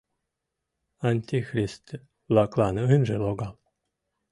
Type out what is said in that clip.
Антихрист-влаклан ынже логал.